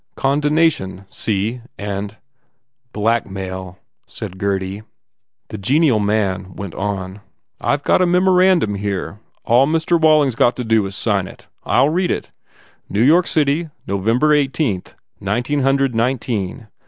Condonation, see? And "Blackmail," said Gurdy. The genial man went on, "I ve got a memoran dum, here. All Mr. Walling s got to do is sign it. I ll read it. N York City, November eight eenth, nineteen hundred nineteen.